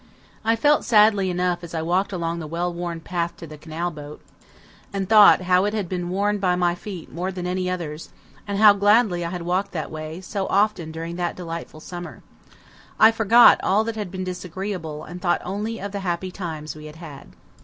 I felt sadly enough as I walked along the well worn path to the canal boat, and thought how it had been worn by my feet more than any other's, and how gladly I had walked that way, so often during that delightful summer. I forgot all that had been disagreeable, and thought only of the happy times we had had.